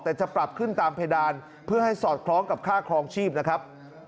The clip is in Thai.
แต่จะปรับขึ้นตามเพดานเพื่อให้สอดคล้องกับค่าครองชีพนะครับ